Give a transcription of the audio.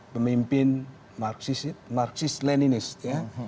pemimpin marxist leninist ya